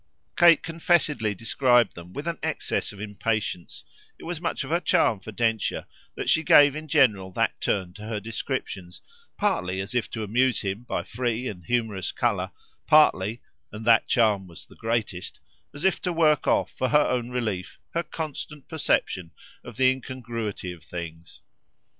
Kate confessedly described them with an excess of impatience; it was much of her charm for Densher that she gave in general that turn to her descriptions, partly as if to amuse him by free and humorous colour, partly and that charm was the greatest as if to work off, for her own relief, her constant perception of the incongruity of things.